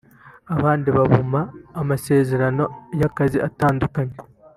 abandi baboma amasezerano y’akazi atandukanye”